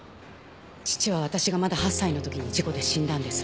父は私がまだ８歳の時に事故で死んだんです。